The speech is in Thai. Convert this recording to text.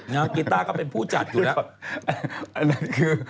น้องกิตาก็เป็นผู้จัดอยู่แล้ว